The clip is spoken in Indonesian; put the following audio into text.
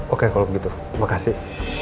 oke kalau begitu terima kasih